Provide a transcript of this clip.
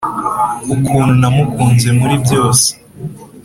ukuntu namukunze muri byose.